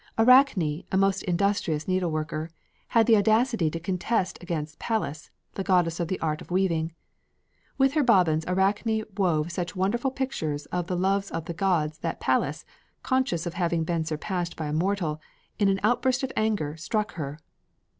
Arachne, a most industrious needleworker, had the audacity to contest against Pallas, the goddess of the art of weaving. With her bobbins, Arachne wove such wonderful pictures of the Loves of the Gods that Pallas, conscious of having been surpassed by a mortal, in an outburst of anger struck her.